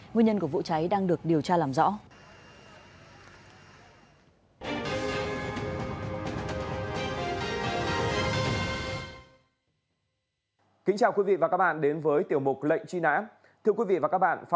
nguyên nhân của vụ cháy đang được điều tra làm rõ